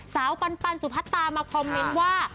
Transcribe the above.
สาวกันปันสุภัตตามาคอมเมนต์ว่า